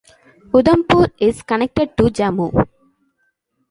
Udhampur is connected to Jammu.